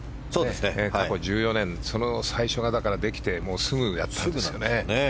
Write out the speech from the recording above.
過去１４回、その最初ができてすぐやったんですよね。